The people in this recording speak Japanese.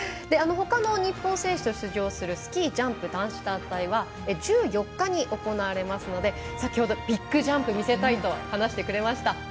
ほかの日本選手と出場するスキージャンプ男子団体は１４日に行われますので先ほどビッグジャンプ見せたいと話してくれました。